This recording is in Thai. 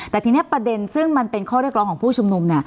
แต่ทีนี้ประเด็นซึ่งมันเป็นข้อเรียกร้องของผู้ชุมนุม